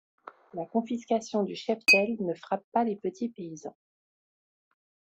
La confiscation du cheptel ne frappe pas les petits paysans.